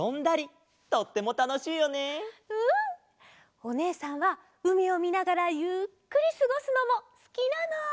おねえさんはうみをみながらゆっくりすごすのもすきなの。